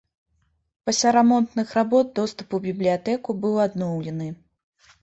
Пасля рамонтных работ доступ у бібліятэку быў адноўлены.